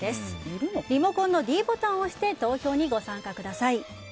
リモコンのｄボタンを押して投票にご参加ください。